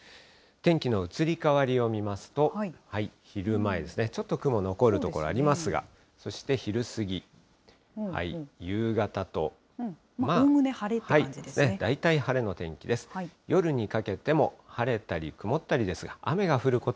天気の移り変わりを見ますと、昼前ですね、ちょっと雲残る所ありますが、そして昼過ぎ、夕方と。